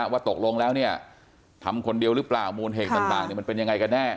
ว่าตกลงแล้วเนี่ยทำคนเดียวหรือเปล่ามูลเหตุต่างมันเป็นยังไงกันแน่